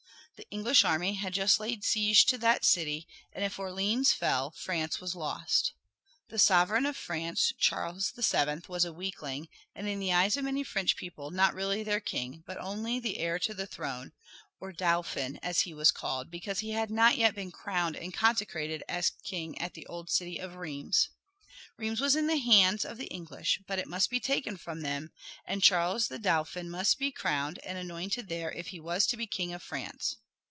The English army had just laid siege to that city, and if Orleans fell France was lost. The sovereign of France, Charles VII, was a weakling, and in the eyes of many French people not really their king, but only the heir to the throne, or Dauphin as he was called, because he had not yet been crowned and consecrated as king at the old city of Rheims. Rheims was in the hands of the English, but it must be taken from them, and Charles the Dauphin must be crowned and anointed there if he was to be King of France.